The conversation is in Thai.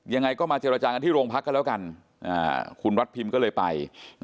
ยังไงก็มาเจรจากันที่โรงพักกันแล้วกันคุณวัดพิมก็เลยไป